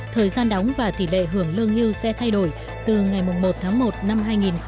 thời gian đóng và tỷ lệ hưởng lương hưu sẽ thay đổi từ ngày một tháng một năm hai nghìn hai mươi